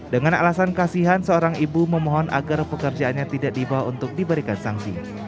dengan alasan kasihan seorang ibu memohon agar pekerjaannya tidak dibawa untuk diberikan sanksi